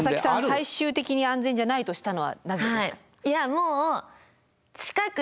最終的に安全じゃないとしたのはなぜですか？